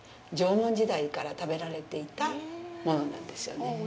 縄文時代から食べられていたものなんですよね。